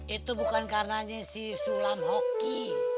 itu bukan karenanya si sulam hoki